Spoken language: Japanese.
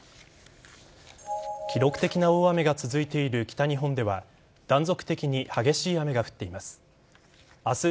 記録的な大雨が続いている北日本では断続的に激しい雨が降っています。